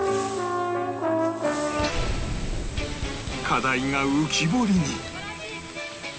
課題が浮き彫りに